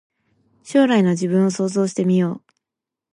将来の自分を想像してみよう